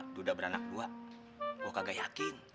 dudak beranak gue gue kagak yakin